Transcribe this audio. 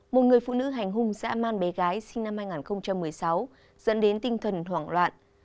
một người phụ nữ hành hung giã man bé gái sinh năm hai nghìn một mươi sáu dẫn đến tinh thần hoảng loạn